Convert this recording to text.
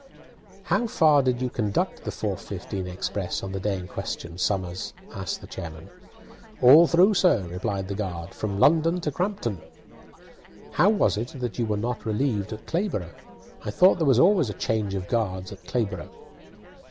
"How far did you conduct that 4:15 express on the day in question, Somers?" asked the chairman. "All through, sir," replied the guard, "from London to Crampton." "How was it that you were not relieved at Clayborough? I thought there was always a change of guards at Clayborough."